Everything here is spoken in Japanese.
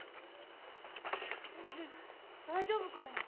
大丈夫かいな。